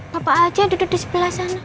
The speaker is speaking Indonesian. bapak aja duduk di sebelah sana